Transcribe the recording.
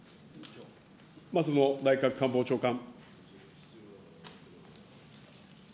松野内閣官房長官。